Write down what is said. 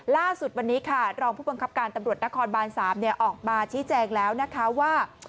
ล่าสุดวันนี้ค่ะรองผู้บังคับการตำรวจนครบาน๓ออกมาชี้แจงแล้วนะคะว่า